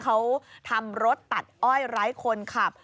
เขาทำรถตัดอ้อยไร้คนขับ